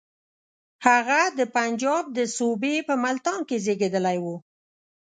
هغه د پنجاب د صوبې په ملتان کې زېږېدلی وو.